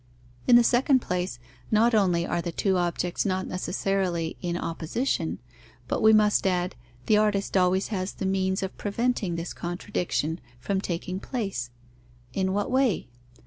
In the second place, not only are the two objects not necessarily in opposition; but, we must add, the artist always has the means of preventing this contradiction from taking place. In what way?